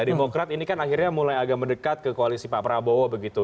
demokrat ini kan akhirnya mulai agak mendekat ke koalisi pak prabowo begitu